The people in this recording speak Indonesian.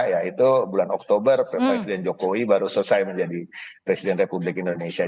yaitu bulan oktober presiden jokowi baru selesai menjadi presiden republik indonesia